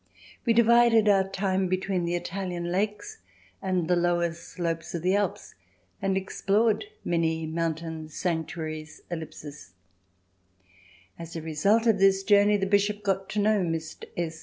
We divided our time between the Italian lakes and the lower slopes of the Alps and explored many mountain sanctuaries ... _As a result of this journey the Bishop got to know Mr. S.